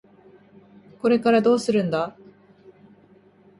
これからどうするんだ？